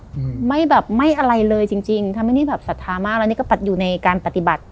อืมไม่แบบไม่อะไรเลยจริงจริงทำให้นี่แบบศรัทธามากแล้วนี่ก็ปัดอยู่ในการปฏิบัติ